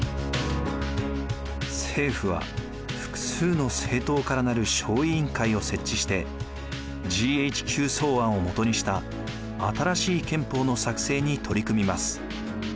政府は複数の政党から成る小委員会を設置してＧＨＱ草案をもとにした新しい憲法の作成に取り組みます。